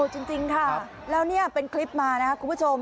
โหดจริงค่ะแล้วเป็นคลิปมาคุณผู้ชม